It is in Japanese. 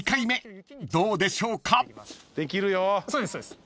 そうですそうです。